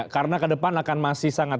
karena ke depan akan masih sangat